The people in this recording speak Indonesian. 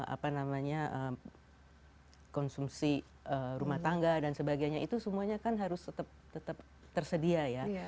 apa namanya konsumsi rumah tangga dan sebagainya itu semuanya kan harus tetap tersedia ya